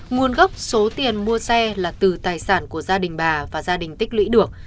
nguồn gốc số tiền mua xe là từ tài sản của gia đình bà và gia đình tích lũy được